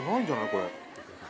これ。